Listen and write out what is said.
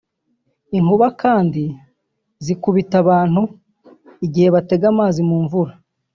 Inkuba kandi zikubita abantu igihe batega amazi mu mvura